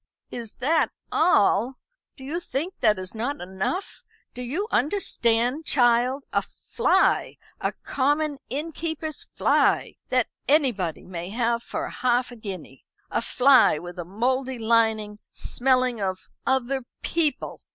"Is that all? Do you think that is not enough? Do you understand, child? a fly a common innkeeper's fly that anybody may have for half a guinea; a fly with a mouldy lining, smelling of other people!